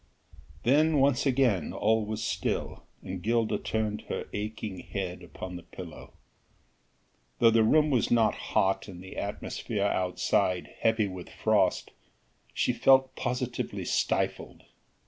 Then once again all was still, and Gilda turned her aching head upon the pillow. Though the room was not hot, and the atmosphere outside heavy with frost, she felt positively stifled.